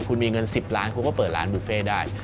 คุณมีเงิน๑๐ล้านคุณก็เปิดร้านบุฟเฟ่ได้